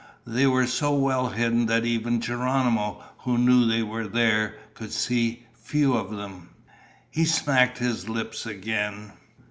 They were so well hidden that even Geronimo, who knew they were there, could see few of them. He smacked his lips again.